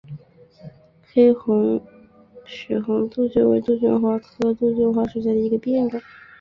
黑红血红杜鹃为杜鹃花科杜鹃花属下的一个变种。